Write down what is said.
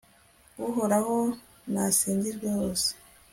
uhoraho nasingizwe hose